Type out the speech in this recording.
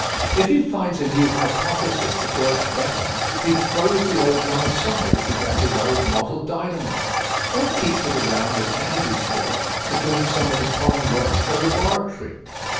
If he finds a new hypothesis that works better he throws the old one aside as he does his old model dynamo, or keeps it around as handy still for doing some of the common work of the laboratory.